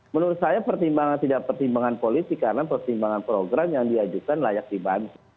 menurut saya pertimbangan tidak pertimbangan politik karena pertimbangan program yang diajukan layak dibantu